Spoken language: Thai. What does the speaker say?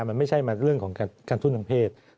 มันไม่ใช่เรื่องของการกระตุ้นทางเพศ